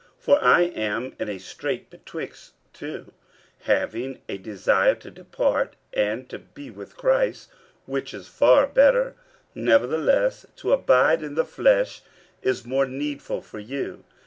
50:001:023 For I am in a strait betwixt two, having a desire to depart, and to be with Christ; which is far better: 50:001:024 Nevertheless to abide in the flesh is more needful for you.